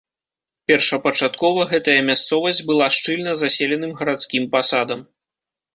Першапачаткова гэтая мясцовасць была шчыльна заселеным гарадскім пасадам.